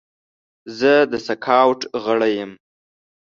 زه د سکاوټ غړی یم.